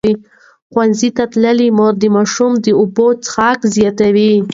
ښوونځې تللې مور د ماشوم د اوبو څښاک زیاتوي.